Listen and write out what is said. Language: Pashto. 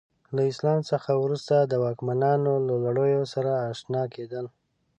له اسلام څخه وروسته د واکمنانو له لړیو سره اشنا کېدل.